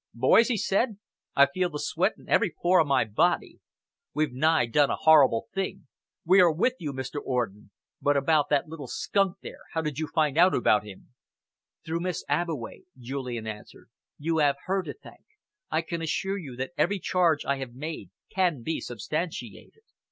"Boys," he said, "I feel the sweat in every pore of my body. We've nigh done a horrible thing. We are with you, Mr. Orden. But about that little skunk there? How did you find him out?" "Through Miss Abbeway," Julian answered. "You have her to thank. I can assure you that every charge I have made can be substantiated."